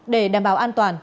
để đảm bảo an toàn